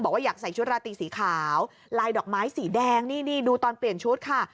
ว่าอยากใส่ชุดราตีสีขาวลายดอกไม้สีแดงนี่นี่ดูตอนเปลี่ยนชุดค่ะ